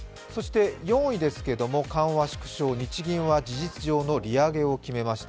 ４位ですが緩和縮小、日銀は事実上の利上げを決めました。